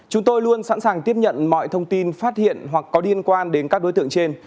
chúng tôi luôn sẵn sàng tiếp nhận mọi thông tin phát hiện hoặc có liên quan đến các đối tượng trên